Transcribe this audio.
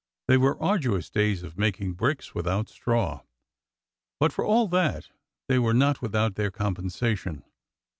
They were arduous days of making bricks without straw ; but, for all that, they were not without their compensation.